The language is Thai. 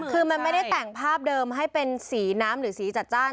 คือมันไม่ได้แต่งภาพเดิมให้เป็นสีน้ำหรือสีจัดจ้าน